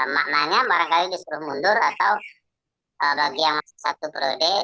maknanya barangkali disuruh mundur atau bagi yang masuk satu prioritas